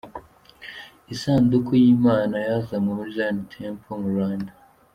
Isanduku y'Imana yazanywe muri Zion Temple mu Rwanda.